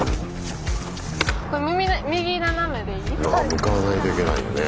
向かわないといけないよね